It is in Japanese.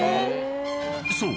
［そう。